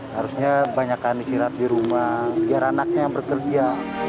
harusnya banyakkan istirahat di rumah biar anaknya yang bekerja